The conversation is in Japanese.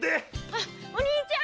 あっお兄ちゃん！